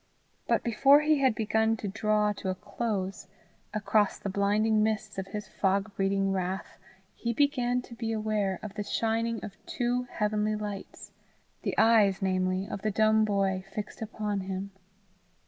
But before he had begun to draw to a close, across the blinding mists of his fog breeding wrath he began to be aware of the shining of two heavenly lights, the eyes, namely, of the dumb boy fixed upon him.